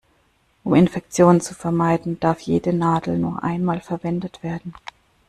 Um Infektionen zu vermeiden, darf jede Nadel nur einmal verwendet werden.